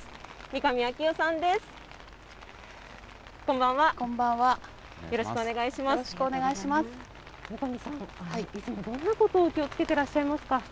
三上さん、いつもどんなことを気をつけてらっしゃいますか。